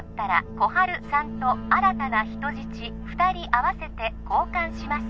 心春さんと新たな人質２人合わせて交換します